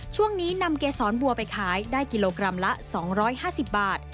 ช่วงนี้นำเกษรบัวไปขายได้กิโลกรัมละ๒๕๐บาท